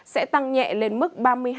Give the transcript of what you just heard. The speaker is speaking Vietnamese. sẽ tăng nhẹ lên mức ba mươi hai ba mươi bốn